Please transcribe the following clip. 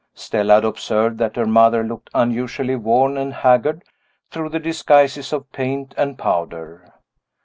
Stella had observed that her mother looked unusually worn and haggard, through the disguises of paint and powder.